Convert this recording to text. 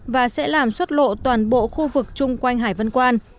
và sẽ làm xuất lộ toàn bộ khu vực chung quanh hải vân quan